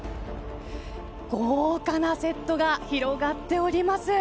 豪華なセットが広がっております。